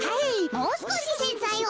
もうすこしせんざいを。